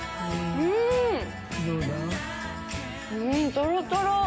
うんとろとろ！